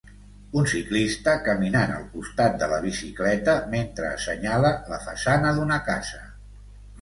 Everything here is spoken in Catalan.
Un ciclista caminant al costat de la bicicleta mentre assenyala la façana d'una casa.